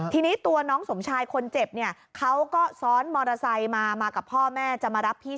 ถอยรถมาแล้วก็นะครับ